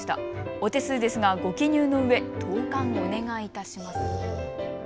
お手数ですがご記入のうえ、投かんお願いいたします。